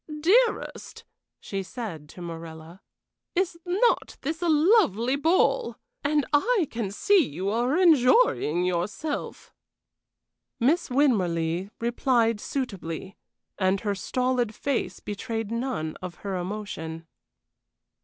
"Dearest," she said to Morella, "is not this a lovely ball? And I can see you are enjoying yourself." Miss Winmarleigh replied suitably, and her stolid face betrayed none of her emotion.